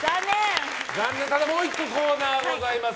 ただ、もう１個コーナーがございます。